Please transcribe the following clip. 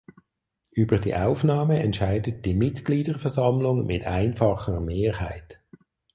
Über die Aufnahme entscheidet die Mitgliederversammlung mit einfacher Mehrheit.